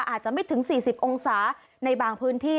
อาจจะไม่ถึง๔๐องศาในบางพื้นที่